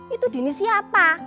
itu dini siapa